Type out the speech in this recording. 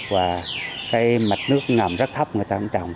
và cái mạch nước ngầm rất thấp người ta cũng trồng